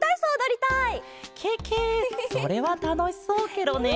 ケケそれはたのしそうケロね！